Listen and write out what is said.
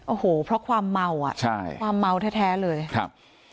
โอ้โหเพราะความเมาอ่ะใช่ความเมาแท้แท้เลยครับ